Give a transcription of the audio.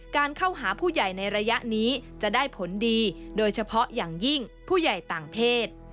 การเข้าหาผู้ใหญ่ในระยะนี้จะได้ผลดีโดยเฉพาะอย่างยิ่งผู้ใหญ่ต่างเพศ